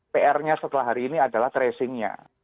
pr nya setelah hari ini adalah tracing nya